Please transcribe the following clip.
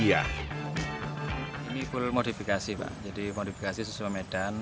ini full modifikasi pak jadi modifikasi sesuai medan